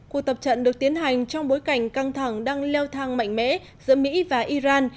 cuộc tập trận được tiến hành trong bối cảnh căng thẳng đang leo thang mạnh mẽ giữa mỹ và iran